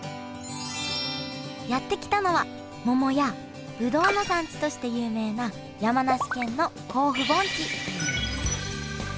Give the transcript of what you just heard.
やって来たのは桃やぶどうの産地として有名な山梨県の甲府盆地